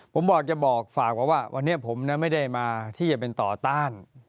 ผมบอกจะบอกฝากไว้ว่าวันนี้ผมไม่ได้มาที่จะเป็นต่อต้าน